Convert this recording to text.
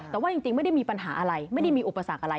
แต่ว่าจริงไม่ได้มีปัญหาอะไรไม่ได้มีอุปสรรคอะไร